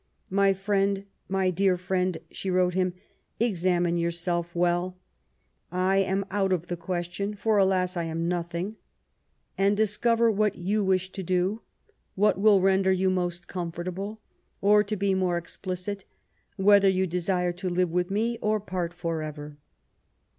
'^ My friend, my dear friend,*' she wrote him, *^ examine yourself well, — I am out of the question ; for, alas I I am nothing, — and discover what you wish to do, what will render you most comfortable ; or, to be more ex* plicit, whether you desire to live with me, or part for ever